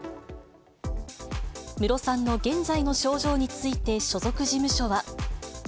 ムロさんの現在の症状について、所属事務所は。